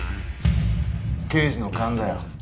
刑事の勘だよ。